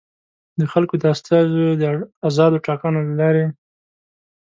د خلکو د استازیو د ازادو ټاکنو له لارې.